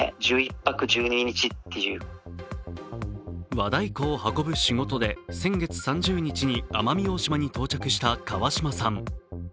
和太鼓を運ぶ仕事で先月３０日に奄美大島に到着した河島さん。